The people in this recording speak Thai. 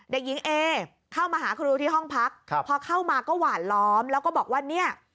เด็กหญิงเอเข้ามาหาครูที่ห้องพักพอเข้ามาก็หวานล้อมแล้วก็บอกว่าเนี่ย